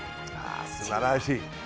ああすばらしい！